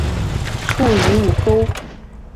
卒于午沟。